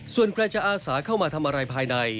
ส่วนใครจะอาสาเข้ามาทำอะไรภายใน